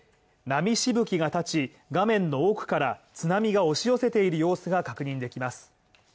波しぶきがたち、画面の奥から津波が押し寄せている様子が確認できます。